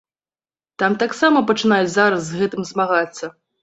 Там таксама пачынаюць зараз з гэтым змагацца.